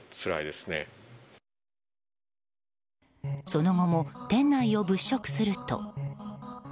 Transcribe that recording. その後も、店内を物色すると。